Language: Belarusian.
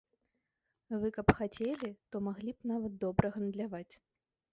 Вы каб хацелі, то маглі б нават добра гандляваць!